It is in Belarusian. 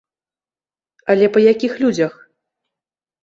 Але па якіх людзях?